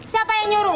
siapa yang nyuruh